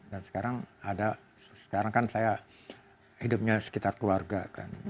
dan sekarang ada sekarang kan saya hidupnya sekitar keluarga kan